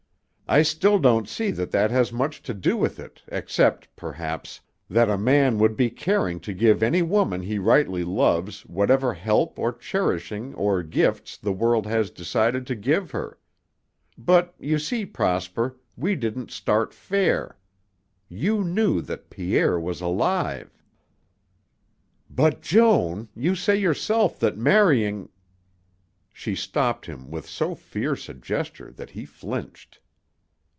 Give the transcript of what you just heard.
I still don't see that that has much to do with it except, perhaps, that a man would be caring to give any woman he rightly loves whatever help or cherishing or gifts the world has decided to give her. But, you see, Prosper, we didn't start fair. You knew that Pierre was alive." "But, Joan, you say yourself that marrying " She stopped him with so fierce a gesture that he flinched.